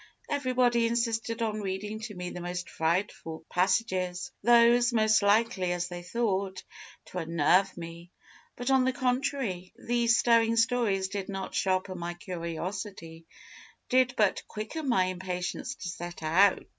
Everybody insisted on reading to me the most frightful passages those most likely, as they thought, to unnerve me. But, on the contrary, these stirring stories did but sharpen my curiosity, did but quicken my impatience to set out.